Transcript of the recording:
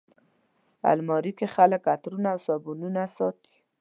الماري کې خلک عطرونه او صابونونه ساتي